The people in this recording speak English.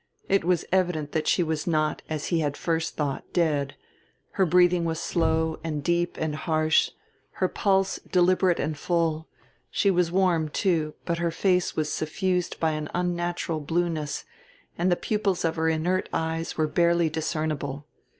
It was evident that she was not, as he had first thought, dead; her breathing was slow and deep and harsh, her pulse deliberate and full; she was warm, too, but her face was suffused by an unnatural blueness and the pupils of her inert eyes were barely discernible.